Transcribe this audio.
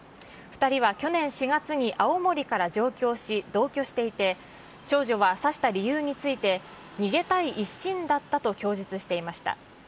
２人は去年４月に青森から上京し、同居していて、少女は、刺した理由について、逃げたい一心だったと供述していました。